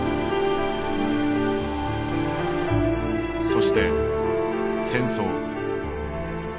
そして戦争。